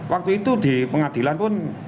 waktu itu di pengadilan pun